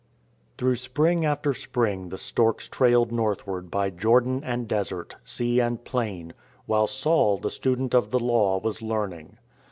THROUGH spring after spring the storks trailed northward by Jordan and desert, sea and plain, while Saul, the student of the Law, was learning.